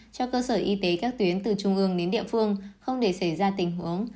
cho cơ sở y tế các tuyến từ trung ương đến địa phương không để xảy ra tình huống